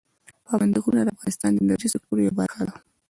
پابندي غرونه د افغانستان د انرژۍ سکتور یوه برخه ده.